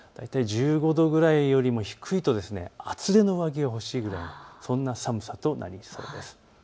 １５度くらいよりも低いと厚手の上着が欲しいくらいそんな寒さとなりそうです。